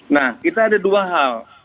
nah kita ada dua hal